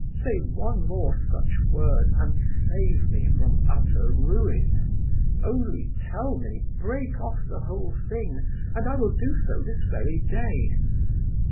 Say one more such word, and save me from utter ruin. Only tell me, 'break off the whole thing!' and I will do so this very day.